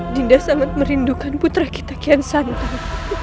dinda sangat merindukan putra kita kian santan